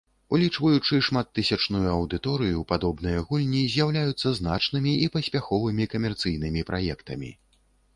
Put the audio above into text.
Улічваючы шматтысячную аўдыторыю, падобныя гульні з'яўляюцца значнымі і паспяховымі камерцыйнымі праектамі.